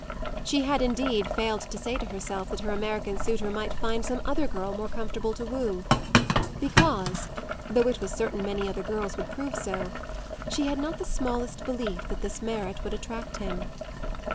She had indeed failed to say to herself that her American suitor might find some other girl more comfortable to woo; because, though it was certain many other girls would prove so, she had not the smallest belief that this merit would attract him.